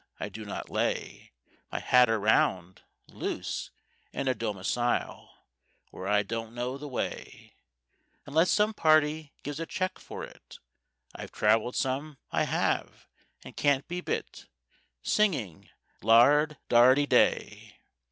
I do not lay My hat around, loose, in a domicile Where I don't know the way, Unless some party gives a check for it; I've travelled some—I have—and can't be bit— Singing Lard dardy day!